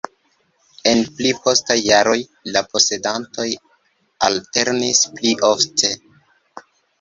En pli postaj jaroj la posedantoj alternis pli ofte.